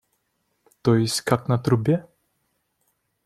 То есть как на трубе?